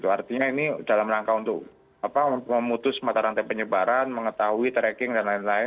artinya ini dalam rangka untuk memutus mata rantai penyebaran mengetahui tracking dan lain lain